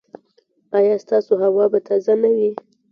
ایا ستاسو هوا به تازه نه وي؟